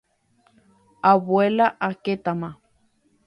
abuela okétama.